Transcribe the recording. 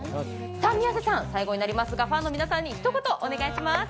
宮世さん、最後になりますがファンの皆さんにひと言お願いします。